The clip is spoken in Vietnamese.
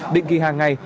định kỳ hàng ngày